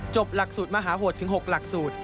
หลักสูตรมหาโหดถึง๖หลักสูตร